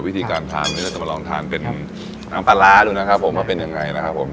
วิธีการทานเราจะมาลองทานเป็นน้ำปลาร้าดูนะครับผม